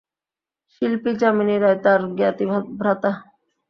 শিল্পী যামিনী রায় তার জ্ঞাতি ভ্রাতা।